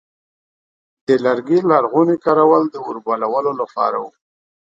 د لرګي لرغونی کارول د اور بلولو لپاره و.